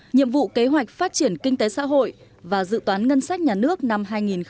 nhiệm vụ kế hoạch phát triển kinh tế xã hội và dự toán ngân sách nhà nước năm hai nghìn hai mươi